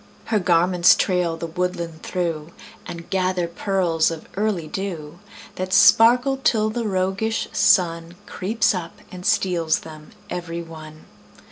Her garments trail the woodland through, And gather pearls of early dew That sparkle till the roguish Sun Creeps up and steals them every one.